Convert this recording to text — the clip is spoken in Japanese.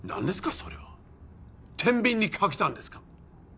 それは天秤にかけたんですか？